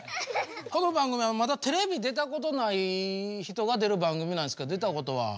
この番組はまだテレビ出たことない人が出る番組なんですけど出たことは？